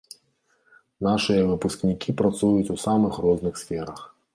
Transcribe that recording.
Нашыя выпускнікі працуюць у самых розных сферах.